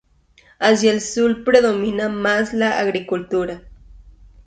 Hacia el sur predomina más la agricultura.